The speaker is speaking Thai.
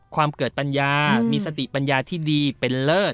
เกิดปัญญามีสติปัญญาที่ดีเป็นเลิศ